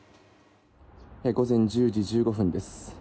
午前１０時１５分です。